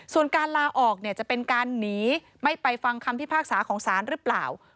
ส่วนการลาออกเนี่ยจะเป็นการหนีไม่ไปฟังคำพิพากษาของศาลหรือเปล่า